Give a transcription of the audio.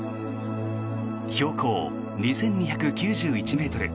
標高２２９１ｍ